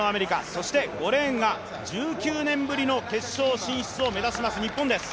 そして５レーンが１９年ぶりの決勝進出を目指します、日本です。